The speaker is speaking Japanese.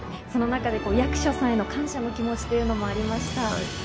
その中で、役所さんへの感謝の気持ちというのもありました。